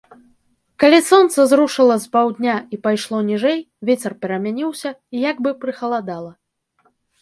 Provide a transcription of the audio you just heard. Калі сонца зрушыла з паўдня і пайшло ніжэй, вецер перамяніўся, і як бы прыхаладала.